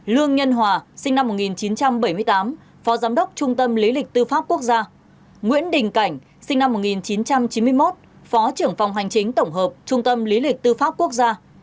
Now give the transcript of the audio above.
lương nhân hòa sinh năm một nghìn chín trăm bảy mươi tám phó giám đốc trung tâm lý lịch tư pháp quốc gia nguyễn đình cảnh sinh năm một nghìn chín trăm chín mươi một phó trưởng phòng hành chính tổng hợp trung tâm lý lịch tư pháp quốc gia